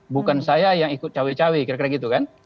bukan saya yang ikut cawe cawe kira kira gitu kan